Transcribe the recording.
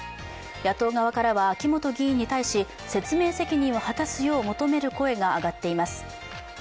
野党側からは秋本議員に対し説明責任を果たすよう求める声があがっています。